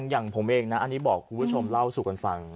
อย่างผมเองนะอันนี้บอกคุณผู้ชมเล่าสู่กันฟัง